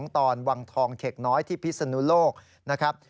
ตอนวังทองเข็กน้อยที่พิศนุโลกนะครับ